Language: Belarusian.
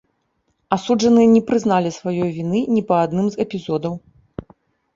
Асуджаныя не прызналі сваёй віны ні па адным з эпізодаў.